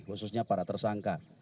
khususnya para tersangka